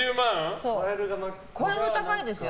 これも高いですよ。